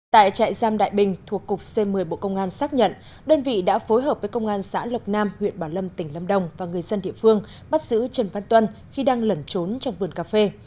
tại trại giam đại bình thuộc cục c một mươi bộ công an xác nhận đơn vị đã phối hợp với công an xã lộc nam huyện bảo lâm tỉnh lâm đồng và người dân địa phương bắt giữ trần văn tuân khi đang lẩn trốn trong vườn cà phê